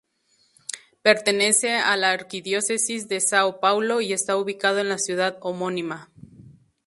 Pertenece a la arquidiócesis de São Paulo, y está ubicado en la ciudad homónima.